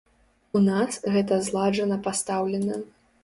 У нас гэта зладжана пастаўлена.